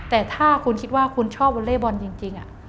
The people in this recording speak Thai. แต่ถ้าคุณคิดว่าคุณชอบวอเล่บอลจริง